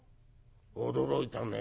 驚いたね。